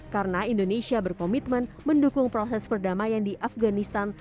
karena indonesia berkomitmen mendukung proses perdamaian di afganistan